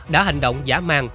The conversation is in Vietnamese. đã hành động dã man